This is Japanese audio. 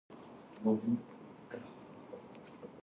姉は起きるのが遅い